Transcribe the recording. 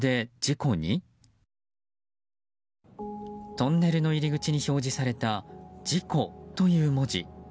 トンネルの入り口に表示された「事故」という文字。